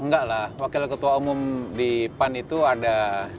enggak lah wakil ketua umum di pan itu ada